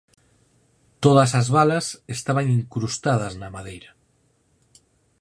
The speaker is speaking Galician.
Todas as balas estaban incrustadas na madeira.